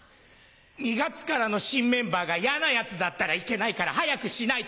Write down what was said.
２月からの新メンバーが嫌なヤツだったらいけないから早くしないと。